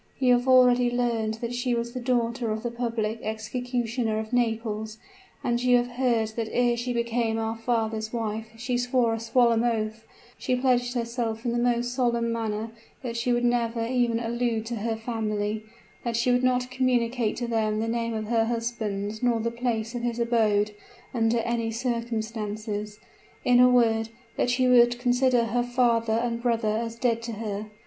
You have already learned that she was the daughter of the public executioner of Naples; and you have heard that ere she became our father's wife she swore a solemn oath she pledged herself in the most solemn manner that she would never even allude to her family that she would not communicate to them the name of her husband nor the place of his abode, under any circumstances in a word, that she would consider her father and brother as dead to her!